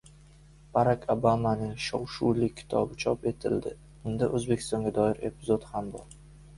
Barak Obamaning shov-shuvli kitobi chop etildi. Unda O‘zbekistonga doir epizod ham bor